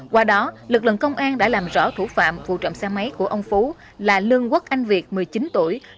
qua đó lực lượng công an đã làm rõ thủ phạm vụ trộm xe máy của ông phú là lương quốc anh việt một mươi chín tuổi